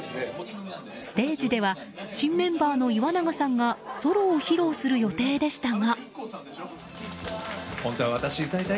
ステージでは新メンバーの岩永さんがソロを披露する予定でしたが。